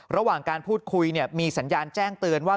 ระหว่างการพูดคุยมีสัญญาณแจ้งเตือนว่า